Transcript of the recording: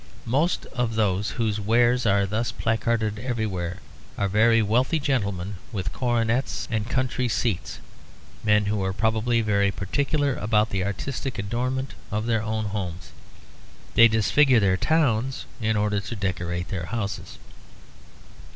Most of those whose wares are thus placarded everywhere are very wealthy gentlemen with coronets and country seats, men who are probably very particular about the artistic adornment of their own homes. They disfigure their towns in order to decorate their houses.